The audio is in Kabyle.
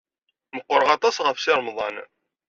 Meqqreɣ aṭas ɣef Si Remḍan.